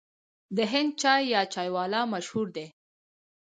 د هند چای یا چای والا مشهور دی.